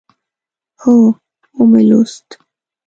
هو، ومی لوست